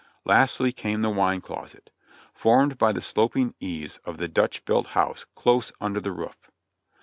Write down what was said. Lastly came the wine closet, formed by the sloping eaves of the Dutch built house, close under the roof.